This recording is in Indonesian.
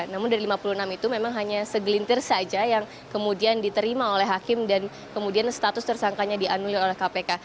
namun dari lima puluh enam itu memang hanya segelintir saja yang kemudian diterima oleh hakim dan kemudian status tersangkanya dianulir oleh kpk